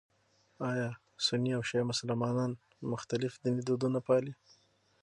ایا سني او شیعه مسلمانان مختلف ديني دودونه پالي؟